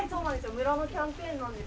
村のキャンペーンなんです。